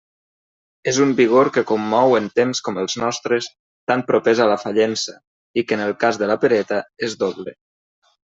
És un vigor que commou en temps com els nostres tan propers a la fallença, i que en el cas de la pereta és doble.